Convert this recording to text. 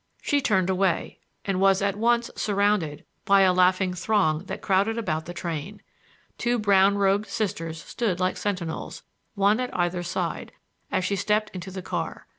She turned away, and was at once surrounded by a laughing throng that crowded about the train. Two brown robed Sisters stood like sentinels, one at either side, as she stepped into the car.